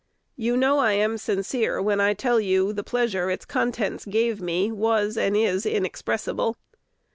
You know I am sincere when I tell you the pleasure its contents gave me was and is inexpressible.